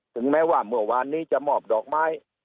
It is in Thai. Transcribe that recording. ถึงแม้ว่าเมื่อวานนี้จะมอบดอกไม้